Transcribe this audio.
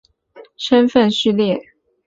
琉球位阶是琉球国的身分序列。